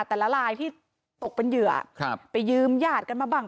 แต่ละลายที่ตกเป็นเหยื่อครับไปยืมญาติกันมาบ้าง